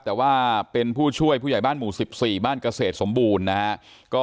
แต่ว่าเป็นผู้ช่วยพูฟุไหยบ้านหมู่สิบสี่บ้านเกษตรสมบูรณ์นะฮะ